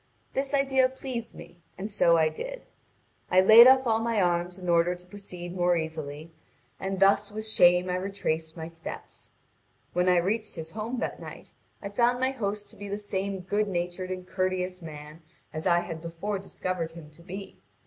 This idea pleased me, and so I did. I laid off all my arms in order to proceed more easily, and thus with shame I retraced my steps. When I reached his home that night, I found my host to be the same good natured and courteous man as I had before discovered him to be.